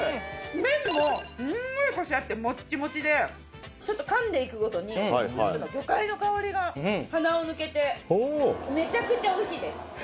麺もすんごいコシあってモッチモチでちょっと噛んでいくごとにスープの魚介の香りが鼻を抜けてめちゃくちゃおいしいです。